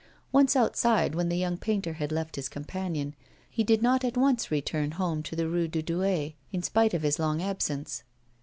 Once outside, when the young painter had left his companion, he did not at once return home to the Rue de Douai, in spite of his long absence.